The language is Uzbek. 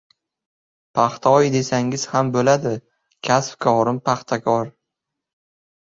Paxtaoy desangiz ham bo‘ladi! Kasb-korim — paxtakor!